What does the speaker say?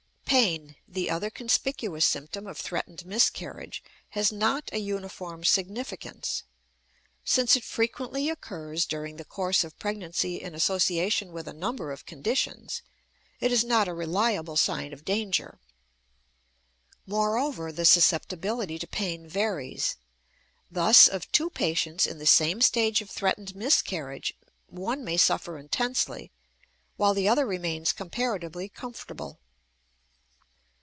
Pain, the other conspicuous symptom of threatened miscarriage, has not a uniform significance. Since it frequently occurs during the course of pregnancy in association with a number of conditions, it is not a reliable sign of danger. Moreover, the susceptibility to pain varies; thus, of two patients in the same stage of threatened miscarriage one may suffer intensely, while the other remains comparatively comfortable.